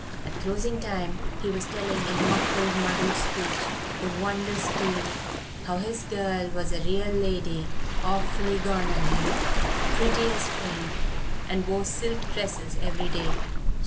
At closing time he was telling, in muffled, muddled speech, the wondrous tale, how his girl was a real lady, awfully gone on him, pretty as paint, and wore silk dresses every day.